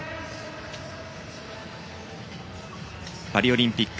パリオリンピック